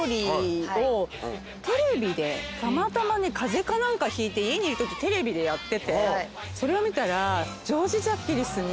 テレビでたまたま風邪かなんかひいて家にいるときテレビでやっててそれを見たら。